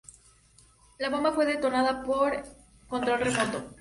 La bomba fue detonada por control remoto.